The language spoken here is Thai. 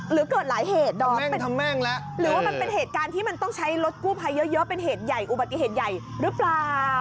หรือเกิดหลายเหตุดอมแม่งแล้วหรือว่ามันเป็นเหตุการณ์ที่มันต้องใช้รถกู้ภัยเยอะเป็นเหตุใหญ่อุบัติเหตุใหญ่หรือเปล่า